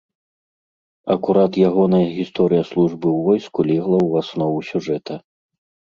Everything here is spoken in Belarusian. Акурат ягоная гісторыя службы ў войску легла ў аснову сюжэта.